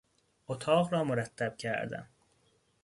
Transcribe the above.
اتاق را مرتب کردن